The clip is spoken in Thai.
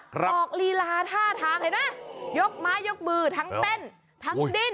ออกลีลาท่าทางเห็นไหมยกไม้ยกมือทั้งเต้นทั้งดิ้น